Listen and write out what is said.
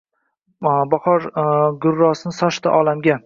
Bahor gurrosini sochdi olamga.